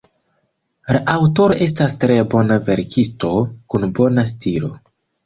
La aŭtoro estas tre bona verkisto, kun bona stilo.